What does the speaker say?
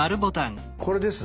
これですね。